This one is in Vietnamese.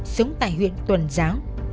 sống tại huyện tuần giáo